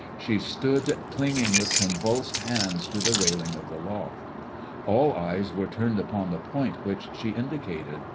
She stood clinging with convulsed hands to the railing of the loft. All eyes were turned upon the point which she indicated.